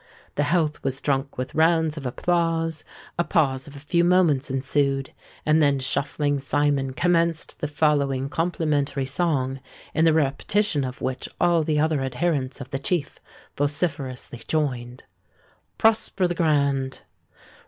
The health was drunk with rounds of applause: a pause of a few moments ensued; and then Shuffling Simon commenced the following complimentary song, in the repetition of which all the other adherents of the Chief vociferously joined:— PROSPER THE GRAND.